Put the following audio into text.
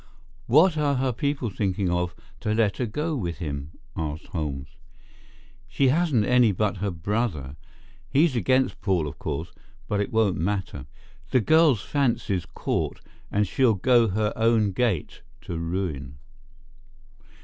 "What are her people thinking of to let her go with him?" asked Holmes. "She hasn't any but her brother. He's against Paul, of course, but it won't matter. The girl's fancy's caught and she'll go her own gait to ruin.